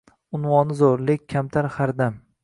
Unvoni zur lek kamtar xar dam